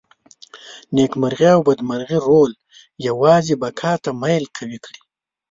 نېکمرغي او بدمرغي رول یوازې بقا ته میل قوي کړي.